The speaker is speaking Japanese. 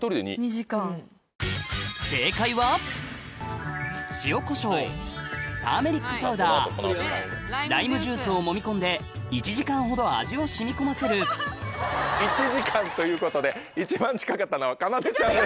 ２時間。をもみ込んで１時間ほど味を染み込ませる１時間ということで一番近かったのはかなでちゃんです。